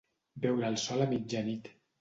Veure el sol a mitjanit.